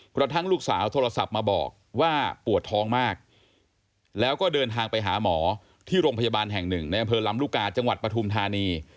กระทั่งลูกสาวโทรศัพท์มาบอกว่าปวดท้องมากแล้วก็เดินทางไปหาหมอที่โรงพยาบาลแห่งหนึ่งในอำเภอลำลูกกาจังหวัดปฐุมธานี